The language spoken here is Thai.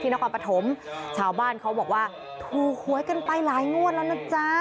นครปฐมชาวบ้านเขาบอกว่าถูกหวยกันไปหลายงวดแล้วนะจ๊ะ